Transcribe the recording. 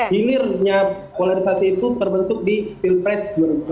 gilirnya polarisasi itu terbentuk di filpres dua ribu sembilan belas